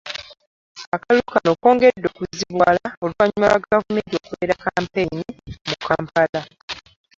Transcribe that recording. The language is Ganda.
Akalulu kano kongedde okuzibuwala oluvannyuma lwa gavumenti okuwera kkampeyini mu Kampala